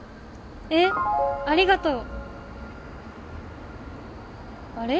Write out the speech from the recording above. えっありがとう。あれ？